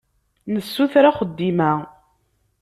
Nessuter axeddim-a.